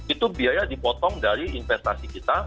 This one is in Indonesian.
itu biaya dipotong dari investasi kita